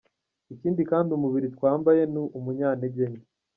Ikindi kandi umubiri twambaye ni umunyantege nke.